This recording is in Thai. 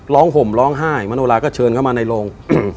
ห่มร้องไห้มโนลาก็เชิญเข้ามาในโรง